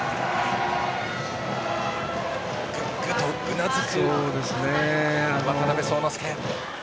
ぐっとうなずく渡邉聡之介。